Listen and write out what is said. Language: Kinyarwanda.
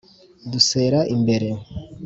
Dusera imbere